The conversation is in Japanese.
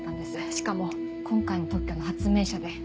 しかも今回の特許の発明者で。